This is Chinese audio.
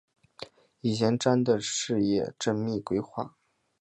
以前瞻的视野缜密规划